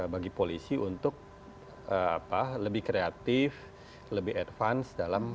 bagi polisi untuk lebih kreatif lebih advance dalam